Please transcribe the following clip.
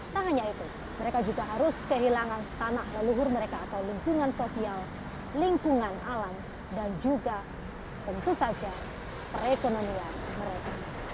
tak hanya itu mereka juga harus kehilangan tanah leluhur mereka atau lingkungan sosial lingkungan alam dan juga tentu saja perekonomian mereka